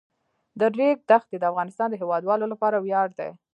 د ریګ دښتې د افغانستان د هیوادوالو لپاره ویاړ دی.